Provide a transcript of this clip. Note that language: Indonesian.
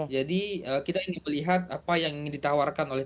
jadi kita ingin melihat apa yang ingin ditawarkan